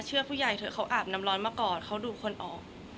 ผู้ใหญ่เถอะเขาอาบน้ำร้อนมาก่อนเขาดูคนออก